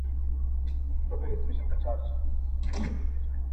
تش په نامه یې د اشرف المخلوقات نه منم,